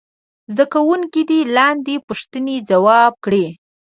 زده کوونکي دې لاندې پوښتنې ځواب کړي.